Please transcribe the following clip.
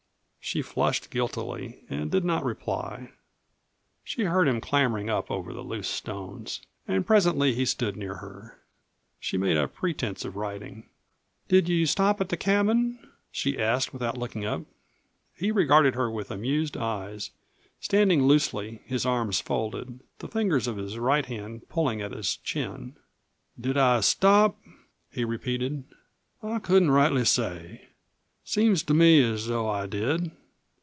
She flushed guiltily and did not reply. She heard him clambering up over the loose stones, and presently he stood near her. She made a pretense of writing. "Did you stop at the cabin?" she asked without looking up. He regarded her with amused eyes, standing loosely, his arms folded, the fingers of his right hand pulling at his chin. "Did I stop?" he repeated. "I couldn't rightly say. Seems to me as though I did.